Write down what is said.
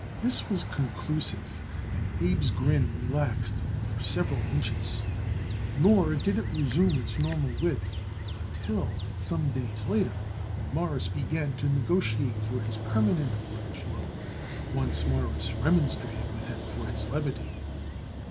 This was conclusive, and Abe's grin relaxed for several inches, nor did it resume its normal width until some days later when Morris began to negotiate for his permanent mortgage loan. Once Morris remonstrated with him for his levity.